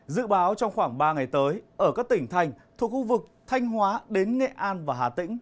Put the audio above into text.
dự báo trong khoảng ba ngày tới ở các tỉnh thành thuộc khu vực thanh hóa đến nghệ an và hà tĩnh